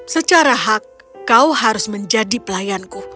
secara hak kau harus menjadi pelayanku